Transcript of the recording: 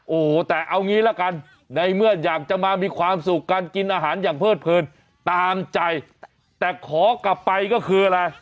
โอ้โหแต่เอางี้ละกันในเมื่ออยากจะมามีความสุขการกินอาหารอย่างเพิดเพลินตามใจแต่ขอกลับไปก็คืออะไร